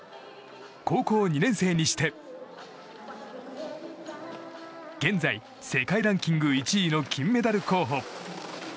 高校２年生にして現在、世界ランキング１位の金メダル候補。